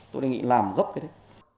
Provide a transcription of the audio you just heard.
tôi đề nghị làm gấp cái đấy